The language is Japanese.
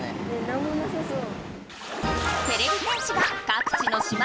なんもなさそう。